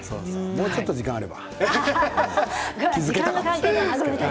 もうちょっと時間があれば。